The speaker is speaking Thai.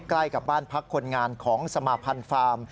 ใกล้กับบ้านพักคนงานของสมาพันธ์ฟาร์ม